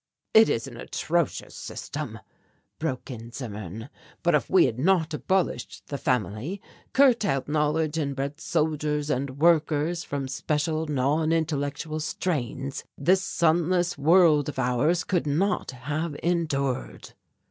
"It is an atrocious system," broke in Zimmern, "but if we had not abolished the family, curtailed knowledge and bred soldiers and workers from special non intellectual strains this sunless world of ours could not have endured."